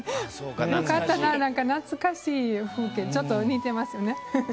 なんか懐かしい風景ちょっと似てますね。